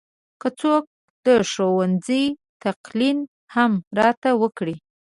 که څوک د ښوونځي تلقین هم راته وکړي.